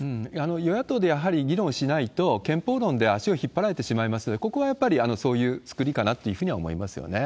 与野党でやはり議論しないと、憲法論で足を引っ張られてしまいますので、ここはやっぱりそういうつくりかなというふうには思いますよね。